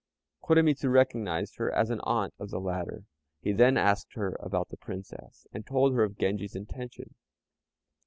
Koremitz recognized her as an aunt of the latter. He then asked her about the Princess, and told her of Genji's intention.